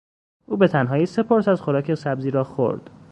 او به تنهایی سه پرس از خوراک سبزی را خورد.